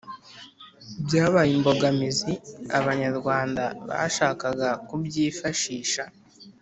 byabaye imbogamizi Abanyarwanda bashakaga kubyifashisha.